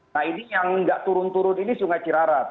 nah ini yang nggak turun turun ini sungai cirarat